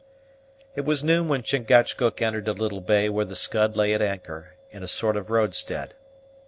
It was noon when Chingachgook entered a little bay where the Scud lay at anchor, in a sort of roadstead.